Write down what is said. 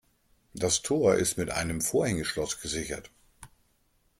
Das Tor ist mit einem Vorhängeschloss gesichert.